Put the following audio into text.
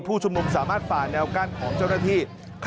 ผู้ชุมนุมสามารถฝ่าแนวกั้นของเจ้าหน้าที่